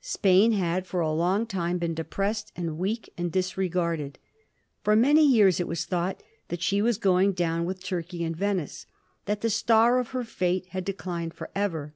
Spain had for a long time been depressed, and weak, and disregarded. For many years it was thought that she was going down with Turkey and Venice — that the star of her &te had declined for ever.